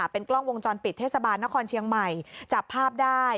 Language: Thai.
เป็นกล้องวงจรปิดเทศบาลนครเชียงใหม่จับภาพได้